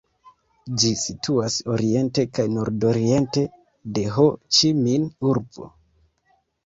Ĝi situas oriente kaj nordoriente de Ho-Ĉi-Min-urbo.